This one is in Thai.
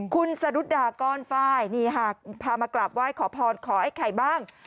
คุณสะดุดดาก้อนไฟล์นี่หากพามากราบไหว้ขอพรขอไอ้ไข่บ้าง